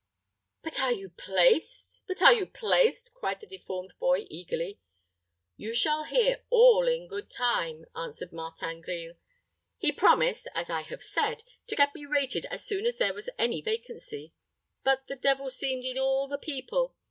"But are you placed but are you placed?" cried the deformed boy, eagerly. "You shall hear all in good time," answered Martin Grille. "He promised, as I have said, to get me rated as soon as there was any vacancy; but the devil seemed in all the people.